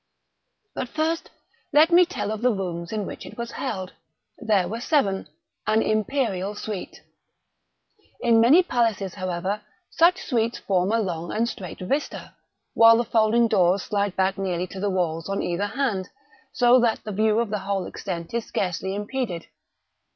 But first let me tell of the rooms in which it was held. There were seven—an imperial suite. In many palaces, however, such suites form a long and straight vista, while the folding doors slide back nearly to the walls on either hand, so that the view of the whole extent is scarcely impeded.